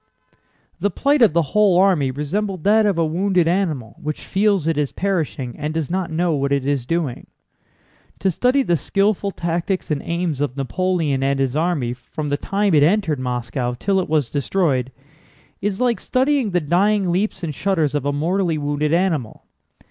The plight of the whole army resembled that of a wounded animal which feels it is perishing and does not know what it is doing. To study the skillful tactics and aims of Napoleon and his army from the time it entered Moscow till it was destroyed is like studying the dying leaps and shudders of a mortally wounded animal.